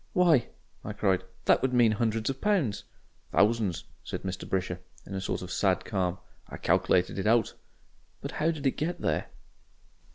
"Why!" I cried, "that would mean hundreds of pounds." "Thousands," said Mr. Brisher, in a sort of sad calm. "I calc'lated it out." "But how did they get there?"